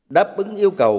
đáp ứng yêu cầu